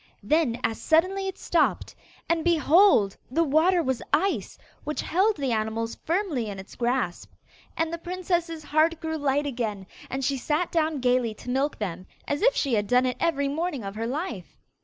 Then as suddenly it stopped, and, behold! the water was ice, which held the animals firmly in its grasp. And the princess's heart grew light again, and she sat down gaily to milk them, as if she had done it every morning of her life.